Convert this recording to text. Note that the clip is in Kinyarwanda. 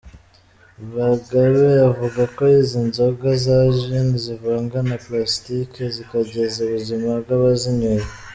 Bagabe avuga ko izi nzoga za “Gin” zivanga na Plasitique zikangiza ubuzima bw’abazinyweye.